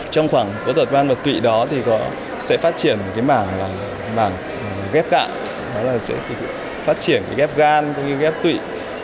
trong khoảng một tuần văn vật tụy đó thì sẽ phát triển một cái mảng ghép gan ghép tụy